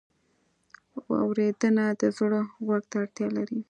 اورېدنه د زړه غوږ ته اړتیا لري.